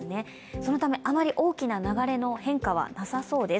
そのため、あまり大きな流れの変化はなさそうです。